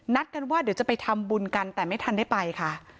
กันว่าเดี๋ยวจะไปทำบุญกันแต่ไม่ทันได้ไปค่ะ